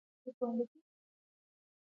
یاقوت د افغانستان د ځمکې د جوړښت نښه ده.